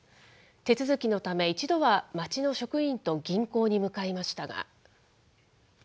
手続きのため一度は町の職員と銀行に向かいましたが。